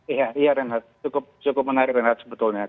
iya iya renhat cukup menarik renat sebetulnya